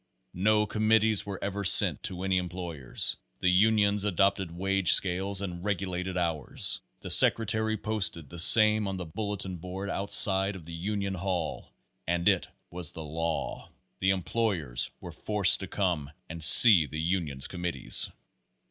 No com mittees were ever sent to any employers. The unions adopted wage scales and regulated hours. The secre tary posted the same on a bulletin board outside of the union hall, and it was the LAW. The employers were forced to come and see the union's committees.